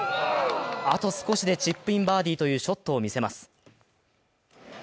あと少しでチップインバーディーというショットを見せます。